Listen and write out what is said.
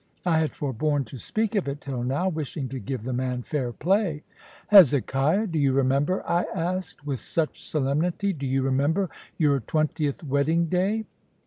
I had forborne to speak of it till now, wishing to give the man fair play. "Hezekiah, do you remember," I asked, with much solemnity "do you remember your twentieth wedding day?"